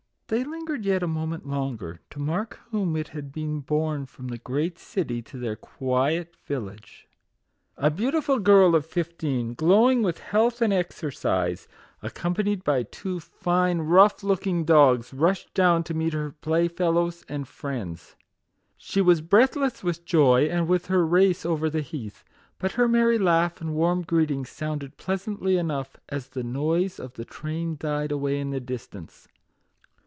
They lingered yet a moment longer, to mark whom it had borne from the great city to their quiet village. A beautiful girl of fif teen, glowing with health and exercise, accom panied by two fine, rough looking dogs, rushed MAGIC WORDS. 3 down to meet her playfellows and friends. She was breathless with joy, and with her race over the heath ; but her merry laugh and warm greeting sounded pleasantly enough as the noise of the train died away in the distance.